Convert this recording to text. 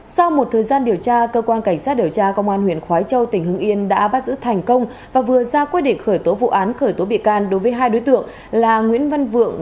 sau một thời gian điều tra cơ quan cảnh sát điều tra công an huyện khói châu tỉnh hưng yên đã bắt giữ thành công và vừa ra quyết định khởi tố vụ án khởi tố bị can đối với hai đối tượng là nguyễn văn vượng